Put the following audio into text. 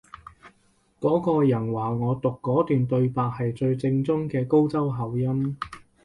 嗰個人話我讀嗰段對白係最正宗嘅高州口音